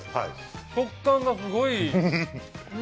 食感がすごいいい。